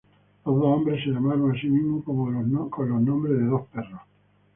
Los dos hombres se llamaron a sí mismos con los nombres de dos perros.